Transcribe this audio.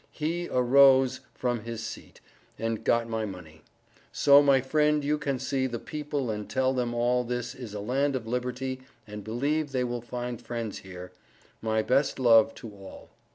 He a Rose from his seat and got my money. So my friend you can see the people and tell them all this is a land of liberty and believe they will find friends here. My best love to all.